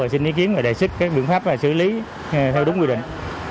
xin ý kiến và đề xích các biện pháp xử lý theo đúng quy định